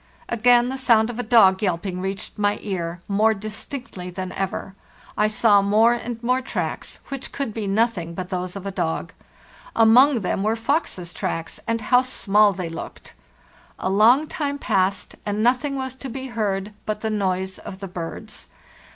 Again the sound of a dog yelping reached my ear, more distinctly than ever; I saw more and more tracks which could be nothing but those of a dog. Among them were foxes' tracks, and how small they looked! A long time passed, and noth ing was to be heard but the noise of the birds.